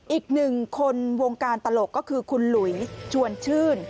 อีกหนึ่งคนวงการตลกก็คือคุณหลุยชวนชื่น